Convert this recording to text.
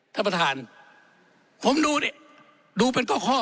ท่านประธานผมดูดิดูเป็นข้อข้อ